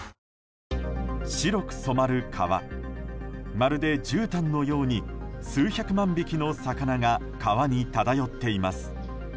まるでじゅうたんのように数百万匹の魚が川に漂っています。